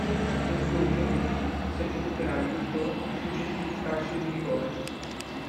Il Cluj si aggiudicherà il titolo ai successivi calci di rigore.